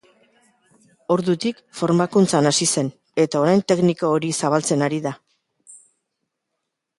Ordutik, formakuntzan hasi zen, eta orain teknika hori zabaltzen ari da.